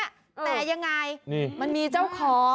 แต่ยังไงมันมีเจ้าของ